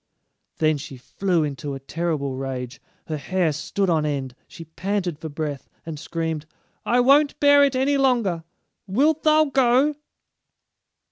Then she flew into a terrible rage. Her hair stood on end; she panted for breath, and screamed: "I won't bear it any longer; wilt thou go?"